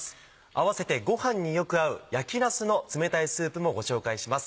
併せてごはんによく合う焼きなすの冷たいスープもご紹介します。